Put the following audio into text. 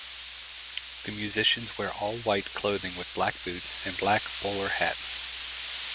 The musicians wear all-white clothing with black boots and black bowler hats.